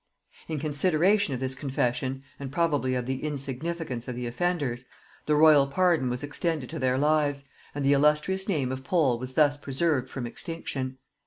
In consideration of this confession, and probably of the insignificance of the offenders, the royal pardon was extended to their lives, and the illustrious name of Pole was thus preserved from extinction.